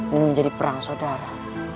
menjadi perang sodara